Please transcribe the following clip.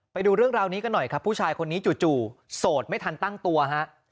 ไปดูเรื่องราวนี้กันหน่อยครับผู้ชายคนนี้จู่โสดไม่ทันตั้งตัวฮะ